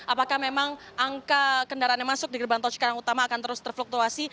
apakah memang angka kendaraan yang masuk di gerbang tol cikarang utama akan terus terfluktuasi